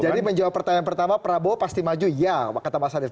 jadi menjawab pertanyaan pertama prabowo pasti maju ya kata mas adil